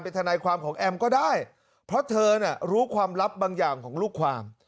ทนายความของแอมก็ได้เพราะเธอน่ะรู้ความลับบางอย่างของลูกความ